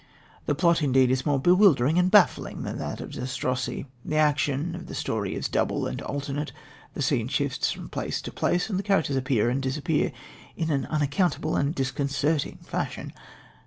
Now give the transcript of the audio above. The plot indeed is more bewildering and baffling than that of Zastrozzi. The action of the story is double and alternate, the scene shifts from place to place, and the characters appear and disappear in an unaccountable and disconcerting fashion.